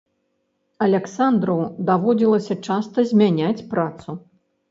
Аляксандру даводзілася часта змяняць працу.